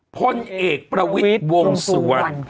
พลเอกประวิทย์วงสุวรรณ